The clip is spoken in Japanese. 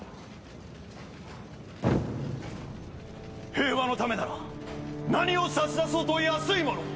平和のためなら何を差し出そうと安いもの。